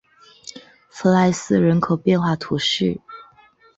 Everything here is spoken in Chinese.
弗赖斯人口变化图示